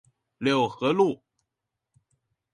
六和路